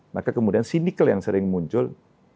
maka kemudian sindikal yang sering muncul